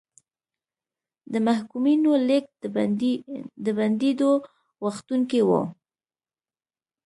د محکومینو لېږد د بندېدو غوښتونکي وو.